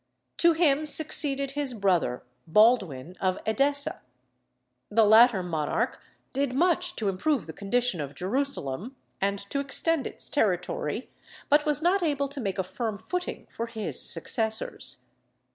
To him succeeded his brother, Baldwin of Edessa. The latter monarch did much to improve the condition of Jerusalem and to extend its territory, but was not able to make a firm footing for his successors.